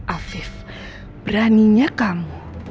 afif beraninya kamu